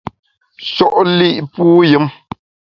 Sho’ li’ puyùm !